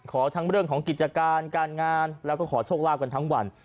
ขอทั้งเรื่องของกิจการการงานแล้วก็ขอโชคลาภกันทั้งวัน